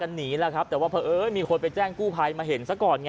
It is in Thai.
กันนี้หละครับแต่ว่ามีคนไปแจ้งกู้ไพมาเห็น